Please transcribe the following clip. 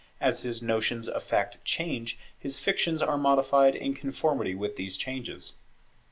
As his notions of fact change, his fictions are modified in conformity with these changes.